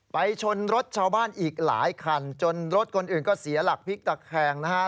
ชนรถชาวบ้านอีกหลายคันจนรถคนอื่นก็เสียหลักพลิกตะแคงนะฮะ